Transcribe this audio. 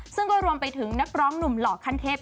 ซึ่งก็รวมไปถึงนักร้องหนุ่มหล่อขั้นเทพ